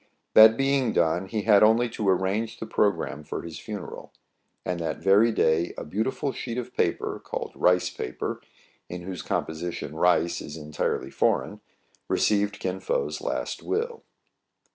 That being done, he had only to arrange the programme for his ftmeral ; and that very day a beautiful sheet of paper, called rice paper, — in whose composition rice is entirely foreign, — re ceived Kin Fo*s last will.